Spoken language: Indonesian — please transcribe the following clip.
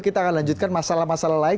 kita akan lanjutkan masalah masalah lain